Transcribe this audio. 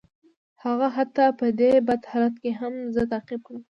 هغه حتی په دې بد حالت کې هم زه تعقیب کړم